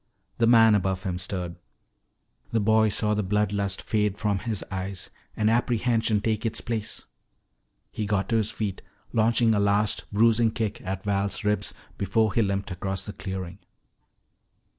The man above him stirred. The boy saw the blood lust fade from his eyes and apprehension take its place. He got to his feet, launching a last bruising kick at Val's ribs before he limped across the clearing.